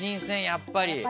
やっぱり。